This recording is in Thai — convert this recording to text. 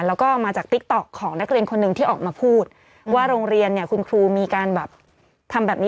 แล้วก็มาจากติ๊กต๊อกของนักเรียนคนหนึ่งที่ออกมาพูดว่าโรงเรียนเนี่ยคุณครูมีการแบบทำแบบนี้